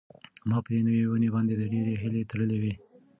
ما په دې نوې ونې باندې ډېرې هیلې تړلې وې.